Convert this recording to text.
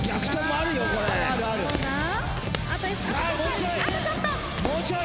あとちょっと。